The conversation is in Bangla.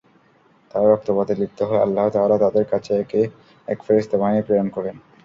তারা রক্তপাতে লিপ্ত হলে আল্লাহ তাআলা তাদের কাছে এক ফেরেশতা বাহিনী প্রেরণ করেন।